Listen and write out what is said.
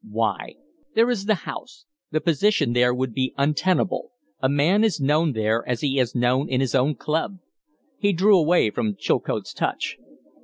"Why?" "There is the House. The position there would be untenable. A man is known there as he is known in his own club." He drew away from Chilcote's touch.